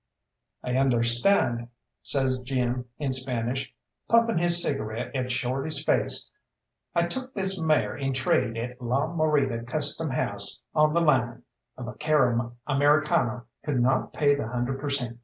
"I understand," says Jim in Spanish, puffing his cigarette at Shorty's face. "I took this mare in trade at la Morita Custom House on the Line. A Vaquero Americano could not pay the hundred per cent.